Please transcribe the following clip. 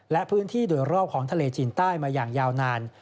และพื้นที่โดยรอบของทะเลจีนใต้มาอย่างยาวนาน